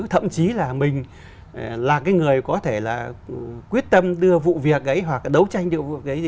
thậm chí là mình là cái người có thể là quyết tâm đưa vụ việc ấy hoặc là đấu tranh đưa vụ việc ấy đi